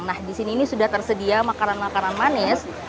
nah di sini ini sudah tersedia makanan makanan manis